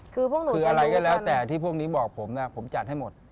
คืออะไรก็แล้วแต่ที่พวกนี้บอกผมผมจัดให้หมด